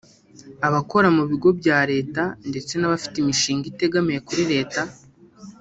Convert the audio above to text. abakora mu bigo bya leta ndetse n’abafite imishinga itegamiye kuri Leta